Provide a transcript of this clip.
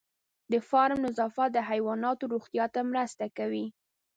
د فارم نظافت د حیواناتو روغتیا ته مرسته کوي.